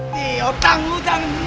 tio tangguh jangan